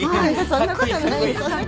そんなことないよ。